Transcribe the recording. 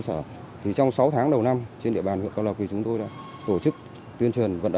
sở thì trong sáu tháng đầu năm trên địa bàn huyện cao lộc thì chúng tôi đã tổ chức tuyên truyền vận động